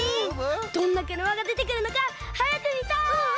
どんなくるまがでてくるのかはやくみたい！